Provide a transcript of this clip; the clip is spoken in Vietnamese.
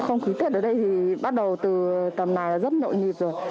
không khí tết ở đây thì bắt đầu từ tầm này là rất nhộn nhịp rồi